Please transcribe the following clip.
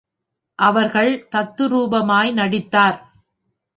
அவர்கள் தத்ரூபமாய் நடித்தார்.